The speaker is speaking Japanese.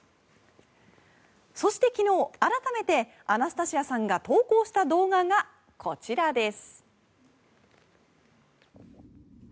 そして昨日改めてアナスタシアさんが投稿した動画がこちらです。